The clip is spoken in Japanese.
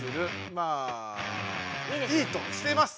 まあいいとしています